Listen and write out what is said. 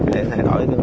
để thay đổi